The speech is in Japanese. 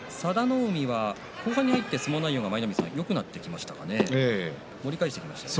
佐田の海は後半に入って相撲内容がよくなってきましたかね。